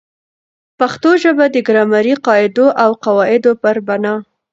پښتو ژبه د ګرامري قاعدو او قوا عدو پر بناء